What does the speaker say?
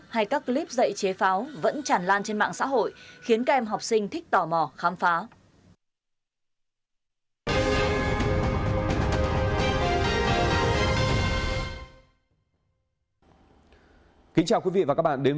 hay các clip dạy chế pháo vẫn chản lan trên mạng xã hội khiến các em học sinh thích tò mò khám phá